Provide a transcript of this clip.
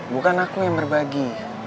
bukan aku yang berbagi